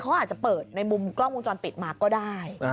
เขาอาจจะเปิดในมุมกล้องวงจรปิดมาก็ได้